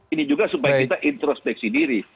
ini juga supaya kita introspeksi diri